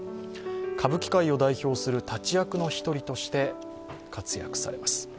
歌舞伎界を代表する立役の１人として活躍されます。